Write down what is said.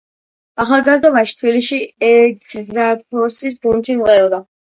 ახალგაზრდობაში თბილისში ეგზარქოსის გუნდში მღეროდა.